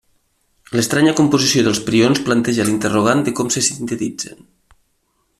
L'estranya composició dels prions planteja l'interrogant de com se sintetitzen.